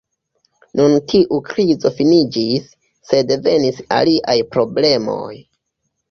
Nun tiu krizo finiĝis, sed venis aliaj problemoj.